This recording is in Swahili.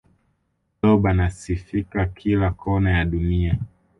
blob anasifika kila kona ya dunia